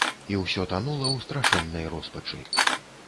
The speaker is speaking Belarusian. І ўсё танула ў страшэннай роспачы.